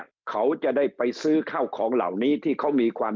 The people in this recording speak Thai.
เขาจะได้ไปซื้อข้าวของเหล่านี้ที่เขามีความ